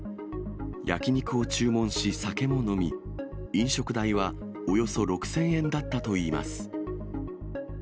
焼き肉を注文し、酒も飲み、飲食代はおよそ６０００円だったといいます。